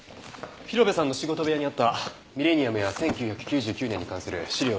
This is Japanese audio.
広辺さんの仕事部屋にあったミレニアムや１９９９年に関する資料や本です。